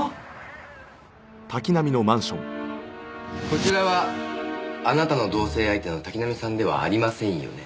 こちらはあなたの同棲相手の滝浪さんではありませんよね？